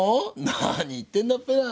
何言ってんだっぺな。